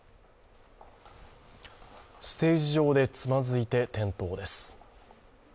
ステージ上でつまずいて転倒です。